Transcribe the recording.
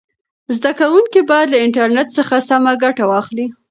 زده کوونکي باید له انټرنیټ څخه سمه ګټه واخلي.